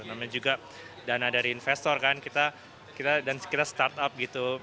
namanya juga dana dari investor kan kita startup gitu